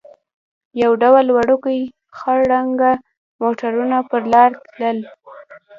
یو ډول وړوکي خړ رنګه موټرونه پر لار تلل.